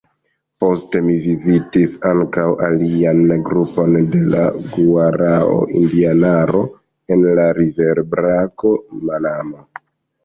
Poste mi vizitis ankaŭ alian grupon de la guarao-indianaro en la riverbrako Manamo.